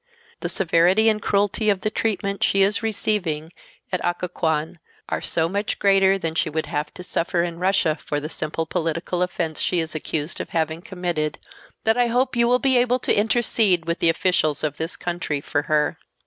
The severity and cruelty of the treatment she is receiving at Occoquan are so much greater than she would have to suffer in Russia for the simple political offense she is accused of having committed that I hope you will be able to intercede with the officials of this country for her.